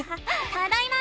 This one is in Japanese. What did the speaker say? ただいま！